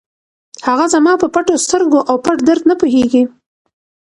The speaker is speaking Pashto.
هغه زما په پټو سترګو او پټ درد نه پوهېږي.